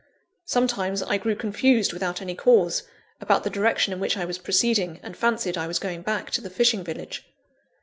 Sometimes, I grew confused without any cause, about the direction in which I was proceeding, and fancied I was going back to the fishing village..